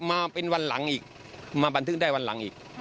มาเป็นวันหลังอีกมาบันทึกได้วันหลังอีก